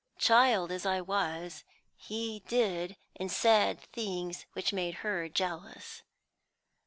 Child as I was, he did and said things which made her jealous.